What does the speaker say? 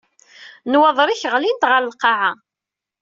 Nnwaḍer-ik ɣlint ɣer lqaɛa.